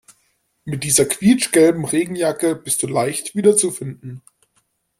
Mit dieser quietschgelben Regenjacke bist du leicht wiederzufinden.